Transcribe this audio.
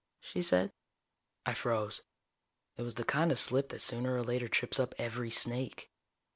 she said. I froze. It was the kind of slip that sooner or later trips up every snake.